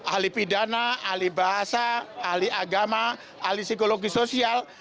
ahli pidana ahli bahasa ahli agama ahli psikologi sosial